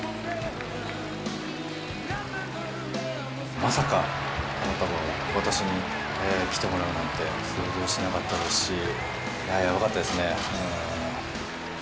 まさか花束を渡しに来てもらうなんて想像してなかったですし、やばかったですね。